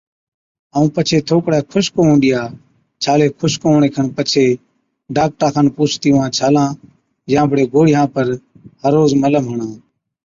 ائُون پڇي ٿوڪڙَي خُشڪ هُئُون ڏِيا ڇالي خُشڪ هُوَڻي کن پڇي ڊاڪٽرا کن پُوڇتِي اُونهان ڇالان يان بڙي گوڙهِيان پر هر روز ملم هڻا۔